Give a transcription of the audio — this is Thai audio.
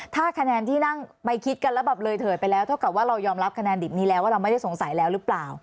ถ้าคะแนนที่นั่งไปคิดกันแล้วแบบเลยเถิดไปแล้วเท่ากับว่าเรายอมรับคะแนนดิบนี้แล้วว่าเราไม่ได้สงสัยแล้วหรือเปล่า